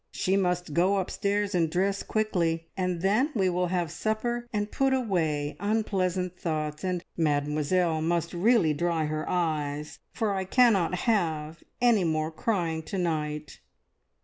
She must go upstairs and dress quickly, and then we will have supper and put away unpleasant thoughts, and Mademoiselle must really dry her eyes, for I cannot have any more crying to night."